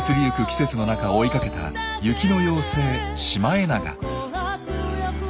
季節の中追いかけた「雪の妖精」シマエナガ。